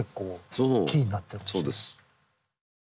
そうです。